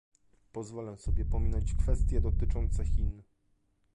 Pozwolę sobie pominąć kwestie dotyczące Chin